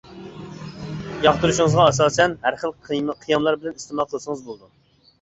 ياقتۇرۇشىڭىزغا ئاساسەن ھەر خىل قىياملار بىلەن ئىستېمال قىلسىڭىز بولىدۇ.